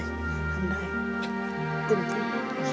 มันได้